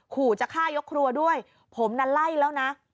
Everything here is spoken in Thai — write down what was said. ขู่จะฆ่ายกครัวด้วยผมนั้นไล่แล้วนะ